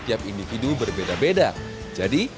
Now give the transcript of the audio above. tiap individu berbeda beda jadi